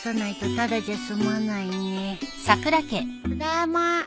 ただいま。